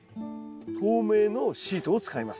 透明のシートを使います。